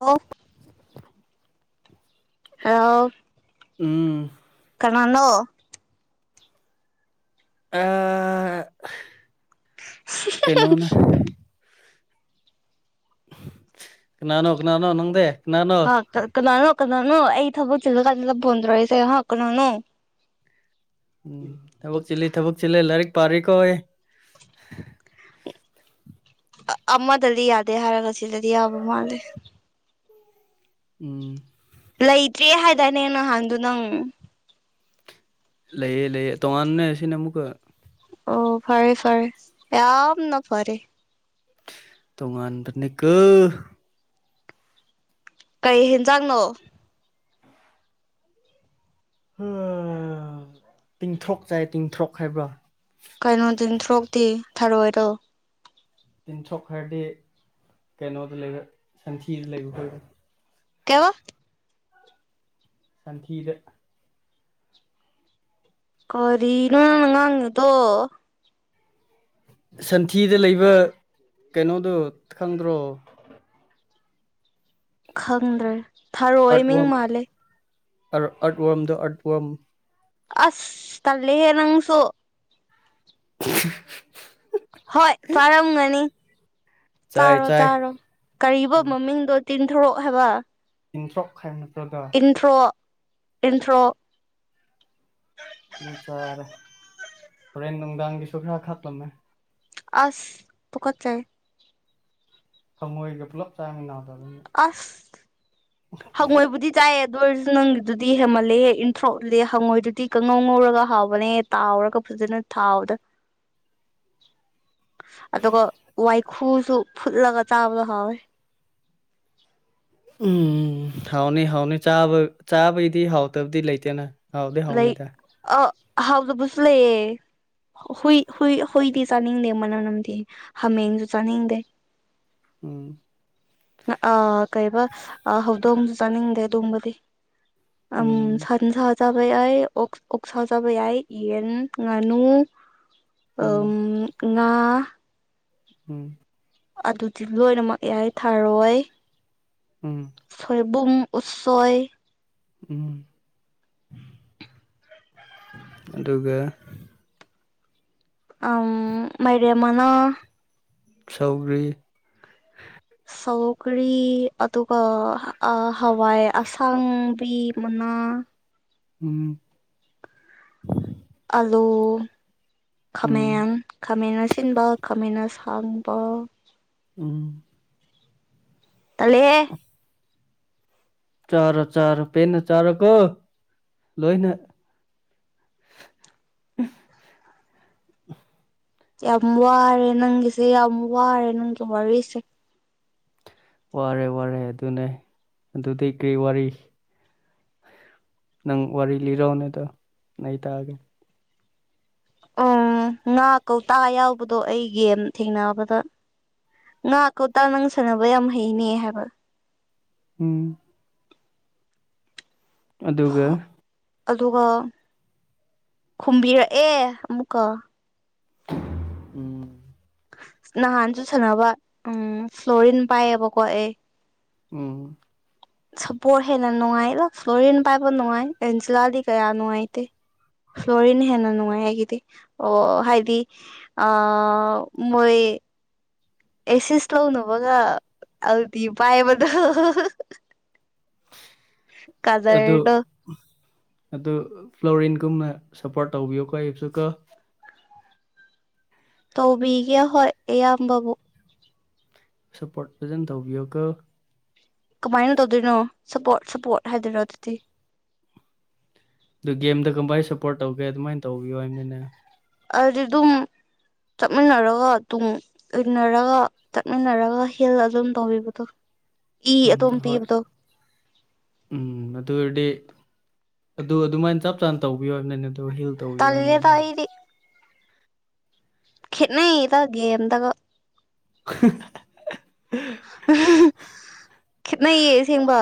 of [unintelligible] hello ꯎꯝ ꯀꯅꯥꯅꯣ ꯑ ꯀꯩꯅꯣꯅꯦ ꯀꯅꯥꯅꯣ ꯀꯅꯥꯅꯣ ꯅꯪꯗꯤ ꯀꯅꯥꯅꯣ ꯍ ꯀꯅꯥꯅꯣ ꯀꯅꯥꯅꯣ ꯑꯩ ꯊꯕꯛ ꯆꯤꯂ ꯀꯥꯟꯗ ꯄꯣꯟꯇꯧꯔꯛꯔꯤꯁꯦ ꯍꯥ ꯀꯅꯥꯅꯣ ꯎꯝ ꯊꯕꯛ ꯆꯤꯜꯂꯤ ꯊꯕꯛ ꯆꯤꯜꯂꯤ ꯂꯥꯏꯔꯤꯛ ꯄꯥꯔꯤ ꯀꯣ ꯑꯩ ꯑꯃꯗꯗꯤ ꯌꯥꯗꯦ ꯍꯥꯏꯔꯒ ꯁꯤꯗꯗꯤ ꯌꯥꯕ ꯃꯥꯜꯂꯤ ꯎꯝ ꯂꯩꯇ꯭ꯔꯤ ꯍꯥꯏꯗꯥꯢꯅꯦ ꯅꯍꯥꯟꯗꯨ ꯅꯪ ꯂꯩꯌꯦ ꯂꯩꯌꯦ ꯇꯣꯉꯥꯟꯅ ꯁꯤꯅ ꯑꯃꯨꯛꯀ ꯑꯣ ꯐꯔꯦ ꯐꯔꯦ ꯌꯥꯝꯅ ꯐꯔꯦ ꯇꯣꯉꯥꯟꯕꯅꯤꯀꯣ ꯀꯩ ꯍꯦꯟꯖꯥꯡꯅꯣ ꯇꯤꯡꯊ꯭ꯔꯣꯛ ꯆꯥꯏ ꯇꯤꯡꯊ꯭ꯔꯣꯛ ꯍꯥꯏꯕ꯭ꯔꯣ ꯀꯩꯅꯣ ꯇꯤꯟꯊ꯭ꯔꯣꯛꯇꯤ ꯊꯔꯣꯏꯔꯣ ꯇꯤꯟꯊꯣꯛ ꯍꯥꯢꯔꯗꯤ ꯀꯩꯅꯣꯗ ꯂꯩꯕ ꯁꯟꯊꯤꯗ ꯂꯩꯕ ꯈꯣꯏꯕ ꯀꯩꯕꯥ ꯁꯟꯊꯤꯗ ꯀꯔꯤꯅꯣꯅꯪꯅ ꯉꯥꯡꯉꯤ ꯇꯣ ꯁꯟꯊꯤꯗ ꯂꯩꯕ ꯀꯩꯅꯣꯗꯣ ꯈꯪꯗ꯭ꯔꯣ ꯈꯪꯗ꯭ꯔꯦ ꯊꯔꯣꯏ ꯃꯤꯡ ꯑꯠꯋꯥꯝ ꯃꯥꯜꯂꯦ ꯑꯠꯋꯥꯝꯗꯣ ꯑꯠꯋꯥꯝ ꯑꯁ ꯇꯜꯂꯦꯍꯦ ꯅꯪꯁꯨ [unintelligible] ꯍꯣꯏ ꯆꯥꯔꯝꯒꯅꯤ ꯆꯥꯏ ꯆꯥꯔꯣ ꯆꯥꯏ ꯆꯥꯔꯣ ꯀꯔꯤꯕ ꯃꯃꯤꯡꯗꯣ ꯇꯤꯟꯊꯣꯔꯛ ꯍꯥꯏꯕ ꯇꯤꯟꯊ꯭ꯔꯣꯛ ꯍꯥꯏꯕ ꯅꯇ꯭ꯔꯣ ꯑꯗꯣ ꯇꯤꯟꯊ꯭ꯔꯣꯛ ꯇꯤꯟꯊ꯭ꯔꯣꯛ [inaudible] ꯑꯗꯨ ꯆꯥꯔꯦ ꯍꯣꯔꯦꯟ ꯅꯨꯡꯗꯥꯡꯒꯤꯁꯨ ꯈꯔ ꯈꯥꯛꯂꯝꯃꯦ ꯑꯁ ꯇꯨꯀꯠ ꯆꯩ ꯍꯉꯣꯢꯒ ꯄꯨꯂꯞ ꯆꯥꯃꯤꯅꯥꯗ ꯑꯁ ꯍꯡꯉꯣꯏꯕꯨꯗꯤ ꯆꯥꯏ ꯑꯗꯨ ꯑꯣꯏꯔꯁꯨ ꯅꯪꯒꯤꯗꯨꯗꯤ ꯍꯦꯃꯜꯂꯦ ꯍꯦꯛ ꯏꯟꯊꯣꯔꯣꯛꯜꯂꯦ ꯍꯪꯉꯣꯏꯗꯨꯗꯤ ꯀꯪꯉꯧ ꯉꯧꯔꯒ ꯍꯥꯎꯕꯅꯦ ꯇꯥꯎꯔꯒ ꯐꯖꯅ ꯊꯥꯎꯗ [unintelligible] [inaudible] ꯑꯗꯨꯒ ꯋꯥꯏꯈꯨꯁꯨ ꯐꯨꯠꯂꯒ ꯆꯥꯕꯗꯣ ꯍꯥꯎꯋꯦ ꯎꯝ ꯍꯥꯎꯅꯤ ꯍꯥꯎꯅꯤ ꯆꯥꯕ ꯆꯥꯕꯩꯗꯤ ꯍꯥꯎꯇꯕꯗꯤ ꯂꯩꯇꯦꯅ ꯍꯥꯎꯗꯤ ꯂꯥꯏꯛ ꯍꯥꯎꯅꯤꯗ ꯑ ꯍꯥꯎꯇꯕꯁꯨ ꯂꯩꯌꯦ ꯍꯨꯏ ꯍꯨꯏ ꯍꯨꯏꯗꯤ ꯆꯥꯅꯤꯡꯗꯦ ꯃꯅꯝ ꯅꯝꯗꯤ ꯍꯥꯃꯦꯡꯁꯨ ꯆꯥꯅꯤꯡꯗꯦ ꯎꯝ ꯑꯥ ꯀꯩꯕ ꯍꯧꯗꯣꯡꯁꯨ ꯆꯥꯅꯤꯡꯗꯦ ꯑꯗꯨꯒꯕꯗꯤ ꯎꯝ ꯁꯟ ꯁꯥ ꯆꯥꯕ ꯌꯥꯏ ꯑꯣꯛ ꯑꯣꯛ ꯁꯥ ꯆꯥꯕ ꯌꯥꯏ ꯌꯦꯟ ꯉꯥꯅꯨ ꯎꯝ ꯉꯥ ꯎꯝ ꯑꯗꯨꯗꯤ ꯂꯣꯏꯅꯃꯛ ꯌꯥꯏ ꯊꯥꯔꯣꯏ ꯎꯝ ꯁꯣꯏꯕꯨꯝꯨꯡ ꯎꯠꯁꯣꯏ ꯎꯝ ꯑꯗꯨꯒ ꯑ ꯃꯔꯦꯃꯅ ꯁꯧꯒꯔꯤ ꯁꯧꯒꯔꯤ ꯑꯗꯨꯒ ꯍꯋꯥꯏ ꯑꯁꯥꯡꯕꯤ ꯃꯅꯥ ꯎꯝ ꯑꯂꯨ ꯎꯝ ꯈꯥꯃꯦꯟ ꯈꯥꯃꯦꯟ ꯑꯁꯤꯟꯕ ꯈꯥꯃꯦꯟ ꯁꯥꯡꯕ ꯎꯝ ꯇꯜꯂꯦꯍꯦ [inaudible] ꯆꯥꯔꯣ ꯆꯥꯔꯣ ꯄꯦꯟꯅ ꯆꯥꯔꯣ ꯀꯣ ꯂꯣꯏꯅ ꯌꯥꯝ ꯋꯥꯔꯦ ꯅꯪꯒꯤꯁꯦ ꯌꯥꯝ ꯋꯥꯔꯦ ꯅꯪꯒꯤ ꯋꯥꯔꯤꯁꯦ ꯋꯥꯔꯦ ꯋꯥꯔꯦ ꯑꯗꯨꯅꯦ ꯑꯗꯨꯗꯤ ꯀꯩ ꯋꯥꯔꯤ ꯅꯪ ꯋꯥꯔꯤ ꯂꯤꯔꯣꯑꯣꯅꯦ ꯑꯗꯣ ꯑꯩ ꯇꯥꯔꯒꯦ ꯎꯝ ꯉꯥ ꯀꯧꯇꯥ ꯌꯥꯎꯕꯗꯣ ꯑꯩ ꯒꯦꯝ ꯊꯦꯡꯅꯕꯗ ꯉꯍꯥꯛꯀꯧꯇꯥ ꯅꯪ ꯁꯥꯟꯅꯕ ꯌꯥꯝ ꯍꯩꯅꯦ ꯍꯥꯏꯕ ꯎꯝ ꯑꯗꯨꯒ ꯑꯗꯨꯒ ꯈꯨꯝꯕꯤꯔꯛꯑꯦ ꯑꯃꯨꯛꯀ ꯎꯝ ꯅꯍꯥꯟꯁꯨ ꯁꯥꯟꯅꯕ ꯎꯝ ꯐ꯭ꯂꯣꯔꯤꯟ ꯄꯥꯏꯌꯦꯕꯀꯣ ꯑꯦ ꯎꯝ ꯁꯞꯄꯣꯔ ꯍꯦꯟꯅ ꯅꯨꯡꯉꯥꯏ ꯐ꯭ꯂꯣꯔꯤꯟ ꯄꯥꯏꯕ ꯅꯨꯡꯉꯥꯏ ꯑꯦꯟꯖꯤꯂꯥꯗꯤ ꯀꯌꯥ ꯅꯨꯡꯉꯥꯏꯇꯦ ꯐ꯭ꯂꯣꯔꯤꯟ ꯍꯦꯟꯅ ꯅꯨꯡꯉꯥꯏ ꯑꯩꯒꯤꯗꯤ ꯑꯣ ꯍꯥꯏꯗꯤ ꯑ ꯃꯣꯏ ꯑꯦꯁꯤꯁ ꯇꯧꯅꯕꯒ ꯑꯜꯇꯤ ꯄꯥꯏꯕꯗꯣ ꯑꯗꯨ ꯀꯗꯔꯗꯣ ꯑꯗꯨ ꯐ꯭ꯂꯣꯔꯤꯟꯒꯨꯝꯅ ꯁꯞꯄꯣꯔꯠ ꯇꯧꯕꯤꯌꯨ ꯀꯣ ꯑꯩꯁꯨꯀꯣ ꯇꯧꯕꯤꯒꯦ ꯍꯣꯏ ꯑꯌꯥꯝꯕꯕꯨ ꯁꯞꯄꯣꯔꯠ ꯐꯖꯅ ꯇꯧꯕꯤꯌꯨꯀꯣ ꯀꯃꯥꯏꯅ ꯇꯧꯗꯣꯏꯅꯣ ꯁꯞꯄꯣꯔꯠ ꯁꯞꯄꯣꯔꯠ ꯍꯥꯏꯗꯣꯏꯔꯣ ꯑꯗꯨꯗꯤ ꯑꯗꯨ ꯒꯦꯝꯗ ꯀꯃꯥꯏꯅ ꯁꯞꯄꯣꯔꯠ ꯇꯧꯒꯦ ꯑꯗꯨꯃꯥꯏꯅ ꯇꯧꯕꯤꯌꯣ ꯍꯥꯏꯕꯅꯤꯅꯦ ꯑꯗꯨꯗꯤ ꯑꯗꯨꯝ ꯆꯠꯃꯤꯟꯅꯔꯒ ꯑꯗꯨꯝ ꯎꯅꯔꯒ ꯆꯠꯃꯤꯟꯅꯔꯒ ꯍꯦꯜ ꯑꯗꯨꯝ ꯇꯧꯕꯤꯕꯗꯣ ꯏ ꯎꯝ ꯑꯗꯨꯝ ꯍꯣꯏ ꯄꯤꯕꯗꯣ ꯎꯝ ꯑꯗꯨ ꯑꯣꯏꯔꯗꯤ ꯑꯗꯨ ꯑꯗꯨꯃꯥꯏꯅ ꯆꯞ ꯆꯥꯅ ꯇꯧꯕꯤꯌꯣ ꯍꯥꯏꯕꯅꯤꯅꯦ ꯑ ꯑꯗꯨ ꯍꯤꯜ ꯇꯧꯕꯤꯌꯣ ꯍꯥꯏꯕꯅꯤꯅꯦ ꯇꯂꯦꯗꯥꯥ ꯑꯩꯗꯤ ꯈꯦꯠꯅꯗꯩꯗ ꯒꯦꯝꯗꯒ [inaudible] ꯈꯦꯠꯅꯩꯌꯦ ꯑꯁꯦꯡꯕ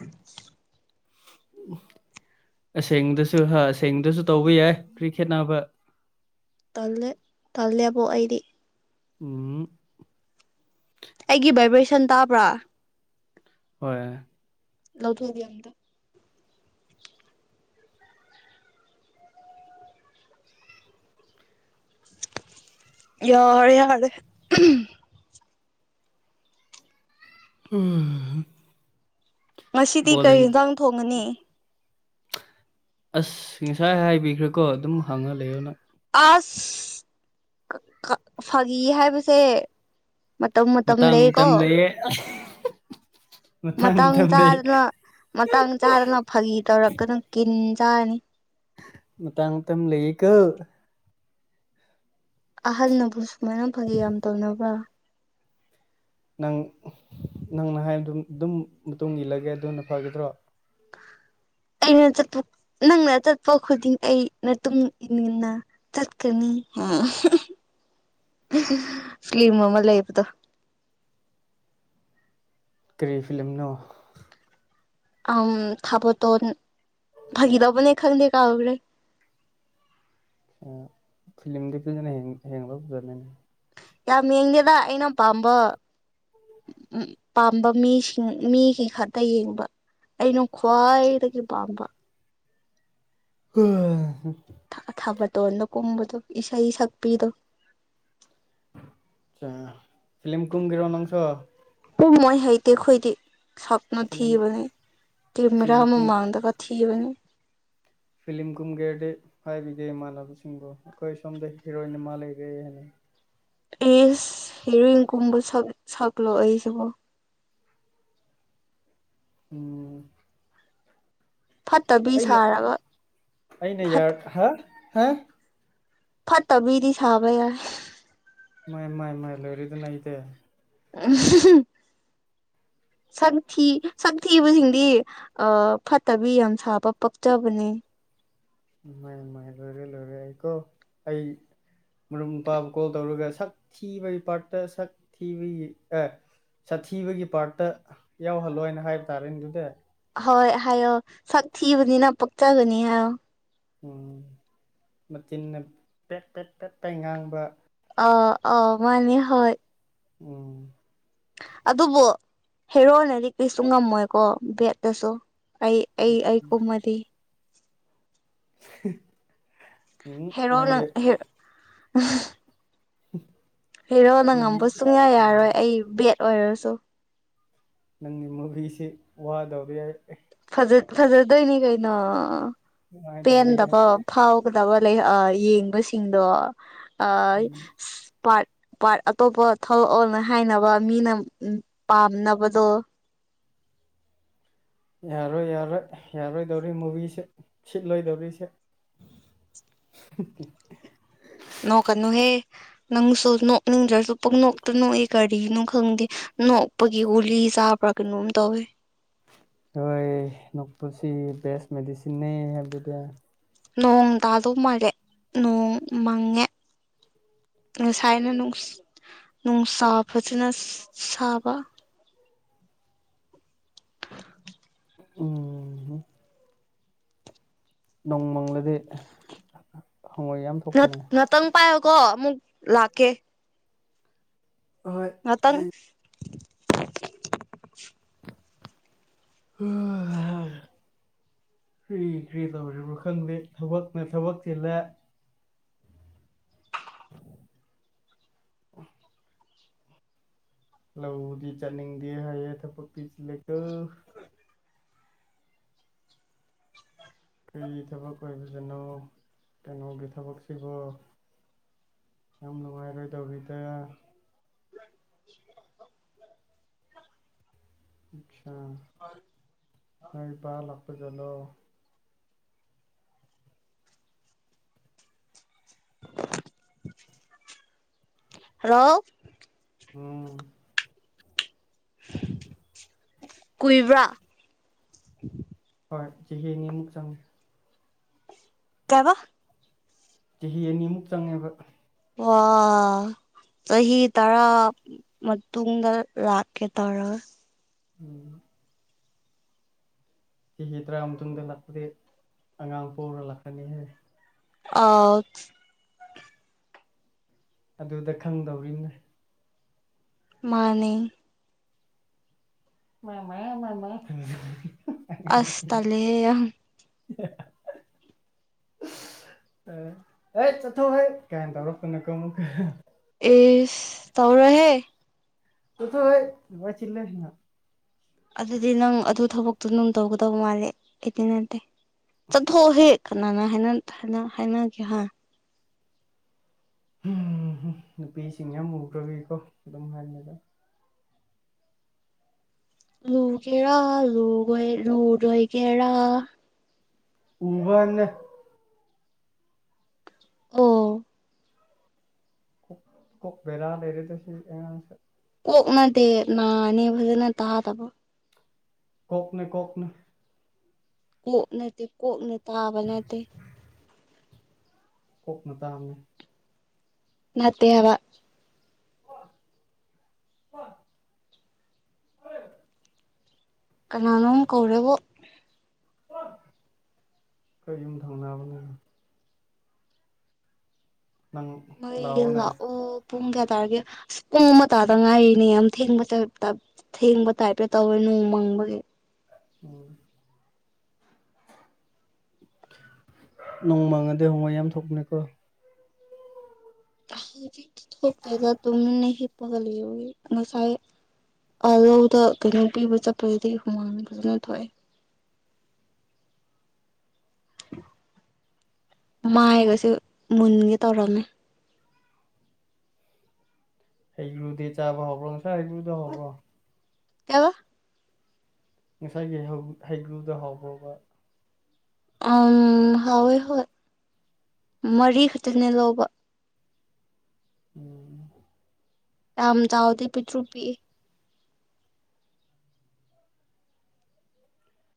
ꯎ ꯎ ꯑꯁꯦꯡꯗꯁꯨ ꯍꯥ ꯑꯁꯦꯡꯗꯁꯨ ꯇꯧꯕ ꯌꯥꯏ ꯀ꯭ꯔꯤ ꯈꯦꯠꯅꯕ ꯇꯜꯦ ꯇꯜꯦꯕꯣ ꯑꯩꯗꯤ ꯎ ꯑꯩꯒꯤ ꯚꯥꯏꯕ꯭ꯔꯦꯁꯟ ꯇꯥꯕ꯭ꯔꯥ ꯍꯣꯏ ꯂꯧꯊꯗꯤ ꯑꯗ ꯌꯥꯔ ꯌꯥꯔꯦ ꯍꯨꯝꯍꯝ ꯉꯁꯤꯗꯤ ꯀꯩ ꯌꯦꯟꯁꯥꯡ ꯊꯣꯡꯒꯅꯤ ꯑꯁ ꯉꯁꯥꯏ ꯍꯥꯏꯕꯤꯈ꯭ꯔꯦꯀꯣ ꯑꯗꯨꯝ ꯍꯪꯉ ꯂꯩꯌꯣ ꯅꯪ ꯑꯁ ꯐꯥꯒꯤ ꯍꯥꯏꯕꯁꯦ ꯃꯇꯝ ꯃꯇꯝ ꯂꯩꯌ‌ꯦꯀꯣ ꯃꯊꯪ ꯃꯇꯥꯡ ꯃꯊꯝ ꯂꯩ ꯆꯥꯗꯅ ꯃꯇꯥꯡ ꯆꯥꯗꯅ ꯐꯥꯒꯤ ꯇꯧꯔꯛꯀꯅꯨ ꯀꯤꯟ ꯆꯥꯅꯤ ꯃꯇꯥꯡ ꯃꯇꯝ ꯂꯩꯌ‌ꯦꯀ‌ꯣ ꯑꯍꯟꯅꯕꯨ ꯁꯨꯃꯥꯏꯅ ꯐꯒꯤ ꯌꯥꯝ ꯇꯧꯅꯕ꯭ꯔꯥ ꯅꯪ ꯅꯪꯅ ꯍꯥꯏꯕꯗꯨ ꯑꯗꯨꯝ ꯃꯇꯨꯡ ꯏꯜꯂꯒꯦ ꯑꯗꯨꯅ ꯐꯒꯗ꯭ꯔꯣ ꯑꯩꯅ ꯆꯠꯄ ꯅꯪꯅ ꯆꯠꯄ ꯈꯨꯗꯤꯡ ꯑꯩ ꯅꯇꯨꯡ ꯏꯟꯗꯨꯅ ꯆꯠꯀꯅꯤ ꯐ꯭ꯂꯤꯝ ꯑꯃ ꯂꯩꯕꯗꯣ ꯀꯔꯤ ꯐꯤꯂꯝꯅꯣ ꯑ ꯊꯥꯕꯣꯇꯣꯟ ꯐꯈꯤ ꯇꯧꯕꯅꯦ ꯈꯪꯗꯦ ꯀꯥꯎꯈ꯭ꯔꯦ ꯐꯤꯂꯝꯒꯤꯗꯨꯅ [unintelligible] ꯍ‌ꯦꯟ ꯍꯌ‌ꯦꯡ ꯂꯧꯗ‌ꯣꯔ ꯅꯪ ꯌꯥꯝ ꯌꯦꯡꯗ‌ꯦꯗ ꯑꯩꯅ ꯄꯥꯝꯕ ꯎ ꯄꯥꯝꯕ ꯃꯤꯁꯤꯡ ꯃꯤꯒꯤ ꯈꯛꯇ ꯌꯦꯡꯕ ꯑꯩꯅ ꯈ꯭ꯋꯥꯏꯗꯒꯤ ꯄꯥꯝꯕ ꯎ [unintelligible] ꯊ ꯊꯥꯕꯇꯣꯟꯗ ꯀꯨꯝꯕꯗꯣ ꯏꯁꯩ ꯁꯛꯄꯤꯗꯣ ꯆꯥ ꯐꯤꯂꯝ ꯀꯨꯝꯒ‌ꯦꯔꯣ ꯅꯪꯁꯨ ꯀꯨꯝꯃꯣꯏ ꯍꯩꯇꯦ ꯑꯩꯈꯣꯏꯗꯤ ꯁꯛꯅ ꯐꯤꯂꯝ ꯊꯤꯕꯅ‌ꯦ ꯀꯦꯃꯦꯔꯥ ꯐꯤꯂꯝ ꯀꯨꯝ ꯃꯃꯥꯡꯗꯒ ꯊꯤꯕꯅ‌ꯦ ꯐꯤꯂꯝ ꯀꯨꯝꯒꯦ ꯍꯥꯏꯔꯗꯤ ꯍꯥꯏꯕꯤꯒꯦ ꯏꯃꯥꯟꯅꯕꯁꯤꯡꯕꯨ ꯑꯩꯈꯣꯏ ꯁꯣꯝꯗ ꯍꯤꯔꯣꯏꯟ ꯑꯃ ꯂꯩꯔ‌ꯦ ꯍꯥꯏꯅ ꯏꯁ ꯍꯦꯔꯣꯏꯟ ꯀꯨꯝꯕ ꯁꯛ ꯁꯛꯂꯣ ꯑꯩꯁꯤꯕꯣ ꯎꯝ ꯐꯠꯇꯕꯤ ꯑꯩꯅ ꯁꯥꯔꯒ ꯑꯩꯅ ꯐꯠ ꯌꯥꯔ ꯍꯥ ꯍꯥ ꯐꯠꯇꯕꯤꯗꯤ ꯁꯥꯕ ꯌꯥꯏ ꯃꯥꯏ ꯃꯥꯏ ꯃꯥꯏ ꯂꯣꯏꯔ‌ꯦꯗꯅ ꯑꯩꯗꯤ ꯎꯝ ꯁꯛꯊꯤ ꯁꯛꯊꯤꯕꯁꯤꯡꯗꯤ ꯑ ꯐꯠꯇꯕꯤ ꯌꯥꯝ ꯁꯥꯕ ꯄꯛꯆꯕꯅꯦ ꯃ ꯃꯥꯏ ꯂ‌ꯣꯏꯔꯦ ꯂ‌ꯣꯏꯔꯦ ꯑꯩ ꯀꯣ ꯑꯩ ꯃꯔꯨꯞ ꯃꯄꯥꯕꯨ ꯀꯣꯜ ꯇꯧꯔꯒ ꯁꯛ ꯊꯤꯕꯒꯤ ꯄꯥꯔꯠꯇ ꯁꯛ ꯊꯤꯕꯒꯤ ꯑꯦ ꯁꯥꯊꯤꯕꯒꯤ ꯄꯥꯔꯠꯇ ꯌꯥꯎꯍꯜꯂꯣ ꯍꯥꯏꯅ ꯍꯥꯏꯕ ꯇꯥꯔꯦꯅ‌ꯦ ꯑꯗꯨꯗꯤ ꯍꯣꯏ ꯍꯥꯏꯌꯣ ꯁꯛ ꯊꯤꯕꯅꯤꯅ ꯄꯛꯆꯒꯅꯤ ꯍꯥꯏꯌꯣ ꯎꯝ ꯃꯆꯤꯟꯅ ꯄꯦꯛ ꯄꯦꯛ ꯄ‌ꯦꯛ ꯉꯥꯡꯕ ꯑ ꯑ ꯃꯥꯅꯤ ꯍ‌ꯣꯏ ꯎꯝ ꯑꯗꯨꯕꯨ ꯍꯦꯔꯣꯅꯗꯤ ꯀꯩꯁꯨ ꯉꯝꯃꯣꯏꯀꯣ ꯕꯦꯠꯅꯁꯨ ꯑꯩ ꯑꯩ ꯑꯩ ꯀꯨꯝꯃꯗꯤ [unintelligible] ꯍꯦꯔꯣꯅ ꯅꯪꯒꯤ ꯍꯦ [unintelligible] [unintelligible] ꯍꯦꯔꯣꯅ ꯅꯪꯒꯤ ꯉꯝꯕ ꯁꯨꯡꯌꯥ ꯎꯝ ꯌꯥꯔꯣꯏ ꯑꯩ ꯕꯦꯠ ꯑꯣꯏꯔꯁꯨ ꯅꯪꯒꯤ ꯃꯨꯚꯤꯁꯤ ꯋꯥꯗꯧꯔꯤꯍꯥꯏ ꯐꯖ ꯐꯖꯗꯣꯏꯅꯤ ꯀꯩꯅꯣ ꯅꯨꯡꯉꯥꯏꯗꯧꯔꯤ ꯄꯦꯟꯗꯕ ꯐꯥꯎ ꯗꯕ ꯂꯩ ꯑ ꯌꯦꯡꯕꯁꯤꯡꯗꯣ ꯑꯁ ꯄꯥꯔꯠ ꯄꯥꯔꯠ ꯑꯇꯣꯞꯄ ꯊ‌ꯣꯛꯂꯛꯑꯣꯅ ꯍꯥꯏꯅꯕ ꯃꯤꯅ ꯄꯥꯝꯅꯕꯗꯣ ꯌꯥꯔꯣꯏ ꯌꯥꯔꯣꯏ ꯌꯥꯔꯣꯏꯗꯧꯔꯤ ꯃꯨꯚꯤꯁ‌ꯦ ꯁꯤꯠꯂꯣꯏꯗꯧꯔꯤꯁꯦ [inaudible] ꯅꯣꯛ ꯀꯅꯨꯍꯦ ꯅꯪꯁꯨ ꯅꯣꯛꯅꯤꯡꯗ꯭ꯔꯁꯨ ꯄꯪꯅꯣꯛꯇ ꯅꯣꯛꯏ ꯀꯔꯤꯅꯣ ꯈꯪꯗꯦ ꯅꯣꯛꯄꯒꯤ ꯒꯨꯂꯤ ꯆꯥꯕ꯭ꯔꯥ ꯀꯩꯅꯣꯝ ꯇꯧꯋꯦ ꯍꯣꯏ ꯅꯣꯛꯄꯁꯤ ꯕꯦꯁ ꯃꯦꯗꯤꯁꯤꯟꯅꯦ ꯍꯥꯏꯕꯗꯨꯗꯤ ꯅꯣꯡ ꯇꯥꯗꯧ ꯃꯥꯜꯂꯦ ꯅꯣꯡ ꯃꯪꯉꯦ ꯉꯁꯥꯏꯅ ꯅꯨꯡꯁꯥ ꯐꯖꯅ ꯁꯥꯕ ꯎꯝ ꯅꯣꯡ ꯃꯪꯂꯗꯤ ꯍꯋꯥꯏ ꯌꯥꯝ ꯉꯥ ꯊꯣꯛꯄꯅꯦ ꯉꯥꯛꯇꯪ ꯄꯥꯏꯌꯣꯀꯣ ꯑꯃꯨꯛ ꯂꯥꯛꯀꯦ ꯍꯣꯏ ꯉꯥꯇꯪ ꯑꯍ [unintelligible] [inaudible] ꯀ꯭ꯔꯤ ꯀ꯭ꯔꯤ ꯇꯧꯔꯤꯕ꯭ꯔꯣ ꯈꯪꯗꯦ ꯊꯕꯛꯅ ꯊꯕꯛ ꯆꯤꯜꯂꯦ [inaudible] ꯂꯧꯗꯤ ꯆꯠꯅꯤꯡꯗꯦ ꯍꯥꯏꯌꯦ ꯊꯕꯛꯇꯤ ꯆꯤꯜꯂꯤꯀꯣ ꯀꯩ ꯊꯕꯛ ꯑꯣꯏꯕꯖꯅꯣ ꯀꯩꯅꯣꯒꯤ ꯊꯕꯛꯁꯤꯕꯨ ꯌꯥꯝ ꯅꯨꯡꯉꯥꯏꯔꯣꯏꯗꯧꯔꯤꯗ ꯑꯆꯥ ꯍꯣꯏ ꯏꯃꯥ ꯏꯄꯥ ꯂꯥꯛꯄꯗꯂꯣ ꯔꯣ ꯎꯝ ꯀꯨꯏꯕ꯭ꯔꯥ ꯍꯣꯏ ꯆꯍꯤꯅꯤꯃꯨꯛ ꯆꯪꯉꯦ ꯀꯩꯕ ꯆꯍꯤ ꯑꯅꯤꯃꯨꯛ ꯆꯪꯉꯦꯕ ꯋꯥꯎ ꯆꯍꯤ ꯇꯔꯥ ꯃꯇꯨꯡꯗ ꯂꯥꯛꯀꯦ ꯇꯧꯔ ꯎꯝ ꯇꯤꯒꯤ ꯇꯔꯥ ꯃꯇꯨꯡꯗ ꯂꯥꯛꯄꯗꯤ ꯑꯉꯥꯡ ꯄꯨꯔ ꯂꯥꯛꯀꯅꯤ ꯍꯥꯏ ꯑꯥꯁ ꯑꯗꯨꯗ ꯈꯪꯗꯧꯔꯤꯅꯦ ꯃꯥꯅꯤ ꯃꯥꯃꯥ ꯃꯥꯃꯥ ꯑꯁ ꯇꯜꯂꯦꯍꯦ ꯌꯥꯝ ꯍ [unintelligible] ꯑꯦ ꯍꯩꯠ ꯆꯠꯊꯣꯛ ꯍꯩꯠ ꯀꯥꯏꯟ ꯇꯧꯔꯛꯇꯅꯀꯣ ꯃꯨꯛ ꯏꯁ ꯇꯧꯔꯣꯏꯍꯦ [unintelligible] [inaudible] ꯑꯗꯨꯗꯤ ꯅꯪ ꯑꯗꯨ ꯊꯕꯛꯇꯨ ꯅꯪ ꯇꯧꯒꯗꯕ ꯃꯥꯜꯂꯦ ꯑꯩꯗꯤ ꯅꯠꯇꯦ ꯆꯠꯊꯣꯛꯑꯣꯍꯦ ꯀꯅꯥꯅ ꯍꯥꯏꯅ ꯍꯥꯏꯅꯒꯦ ꯍꯥꯏ ꯅꯨꯄꯤꯁꯤꯡ ꯌꯥꯝ ꯎꯈ꯭ꯔꯕꯤꯀꯣ ꯑꯗꯨꯝ ꯍꯥꯏꯂꯗ ꯂꯨꯒꯦꯔꯥ ꯂꯨ ꯂꯨꯗꯣꯏꯒꯦꯔꯥ ꯎꯕꯅꯦ ꯑꯣ ꯀꯣꯛ ꯀꯣꯛ ꯕꯦꯔꯥ ꯂꯩꯔꯦꯗ ꯁꯤ ꯉꯥꯡꯁꯦ ꯀꯣꯛꯅꯠꯗꯦ ꯅꯥꯅꯦ ꯐꯖꯅ ꯇꯥꯗꯕ ꯀꯣꯛꯅꯦ ꯀꯣꯛꯅꯦ ꯀꯣꯛꯅꯠꯇꯦ ꯀꯣꯛꯅ ꯇꯥꯕ ꯅꯠꯇꯦ ꯀꯣꯛ ꯅꯇꯥꯝꯅꯦ ꯅꯠꯇꯦ ꯍꯥꯕ [unintelligible] [inaudible] ꯀꯅꯥꯅꯣꯝ ꯀꯧꯔꯦꯕꯨ ꯈꯣꯏ ꯌꯨꯝ ꯊꯪꯅꯕꯅꯦ ꯅꯪ ꯃꯩꯗꯤ ꯂꯥꯛꯑꯣꯅꯦ ꯂꯥꯛꯎ ꯄꯨꯡ ꯀꯌꯥ ꯇꯥꯔꯒꯦ ꯄꯨꯡ ꯃ ꯇꯥꯗ ꯉꯥꯏꯔꯤꯅꯦ ꯌꯥꯝ ꯊꯦꯡꯕ ꯊꯦꯡꯕ ꯇꯥꯏꯞꯇ ꯇꯧꯋꯦ ꯅꯣꯡ ꯃꯪꯕꯒꯤ ꯎꯝ ꯅꯣꯡ ꯃꯥꯡꯉꯗꯤ ꯍꯣꯡꯋꯥꯏ ꯌꯥꯝ ꯊꯣꯛꯄꯅꯦꯀꯣ ꯊꯣꯛꯖ ꯇꯅ ꯄꯂ ꯉꯁꯥꯏꯥꯏ ꯑꯥꯜꯍꯧꯗ ꯀꯩꯅꯣ ꯄꯤꯕ ꯆꯠꯄꯗꯗꯤ ꯍꯨꯃꯥꯡ ꯐꯖꯅ ꯊꯣꯛꯑꯦ ꯃꯥꯏꯒꯁꯨꯦ ꯃꯨꯟꯒ ꯇꯧꯔꯝꯃꯦ ꯍꯩꯒ꯭ꯔꯨꯗꯗꯤ ꯆꯥꯕ ꯍꯧꯕ꯭ꯔꯣ ꯉꯅꯨꯡꯁꯥ ꯍꯩꯒ꯭ꯔꯨꯗ ꯍꯧꯕ꯭ꯔꯣ ꯀꯩꯕ ꯉꯁꯥꯏꯒꯤ ꯍꯩꯒ꯭ꯔꯨꯗ ꯍꯥꯎꯕ ꯍꯥꯎꯋꯦ ꯍꯣꯏ ꯃꯔꯤ ꯈꯛꯇꯅꯦ ꯂꯧꯕ ꯎꯝ ꯌꯥꯝ ꯆꯥꯎꯗꯤ ꯄꯤꯛꯇ꯭ꯔꯨ ꯄꯤꯛ